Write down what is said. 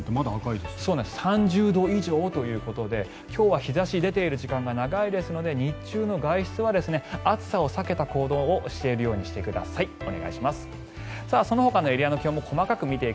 ３０度以上ということで今日は日差しが出ている時間が長いですので日中の外出は暑さを避けた行動をするようにしてください。